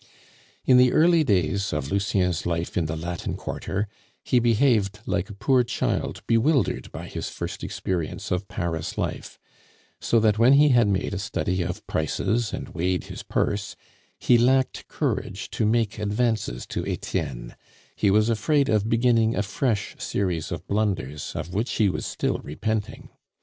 In the early days of Lucien's life in the Latin Quarter, he behaved like a poor child bewildered by his first experience of Paris life; so that when he had made a study of prices and weighed his purse, he lacked courage to make advances to Etienne; he was afraid of beginning a fresh series of blunders of which he was still repenting.